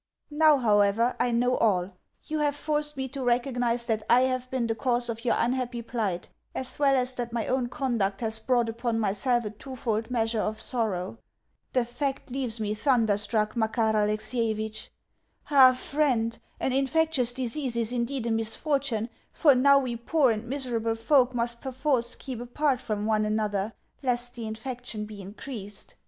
Now, however, I know all. You have forced me to recognise that I have been the cause of your unhappy plight, as well as that my own conduct has brought upon myself a twofold measure of sorrow. The fact leaves me thunderstruck, Makar Alexievitch. Ah, friend, an infectious disease is indeed a misfortune, for now we poor and miserable folk must perforce keep apart from one another, lest the infection be increased.